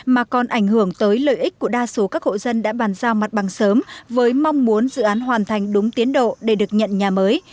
mà còn ảnh hưởng tới lợi ích của đa số các hộ dân đã bàn giao mặt bằng sớm với mong muốn dự án hoàn thành đúng tiến độ để được nhận nhà mới